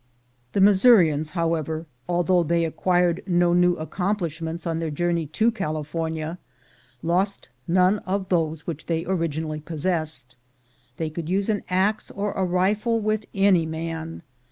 The Missourians, however, although they acquired no new accomplishments on their journey to Cali fornia, lost none of those which they originally pos sessed. They could use an ax or a rifle with any man.